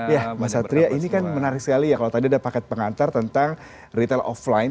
ya mas satria ini kan menarik sekali ya kalau tadi ada paket pengantar tentang retail offline